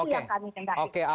itu yang kami cendai